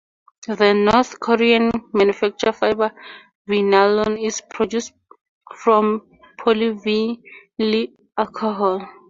The North Korean-manufacture fiber Vinalon is produced from polyvinyl alcohol.